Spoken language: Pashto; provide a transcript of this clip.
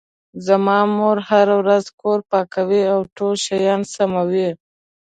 زما مور هره ورځ کور پاکوي او ټول شیان سموي